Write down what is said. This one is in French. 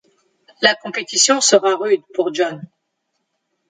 La compétition sera rude pour John.